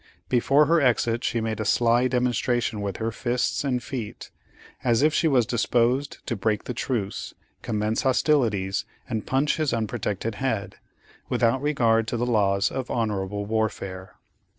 Before her exit she made a sly demonstration with her fists and feet, as if she was disposed to break the truce, commence hostilities, and punch his unprotected head, without regard to the laws of honorable warfare.